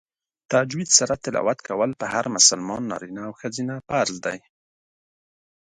تجوید سره تلاوت کول په هر مسلمان نارینه او ښځینه فرض دی